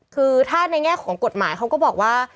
คือถ้าในแง่ของกฎหมายเขาก็บอกว่า